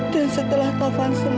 dan setelah taufan sembuh